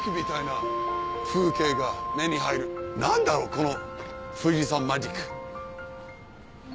この富士山マジック。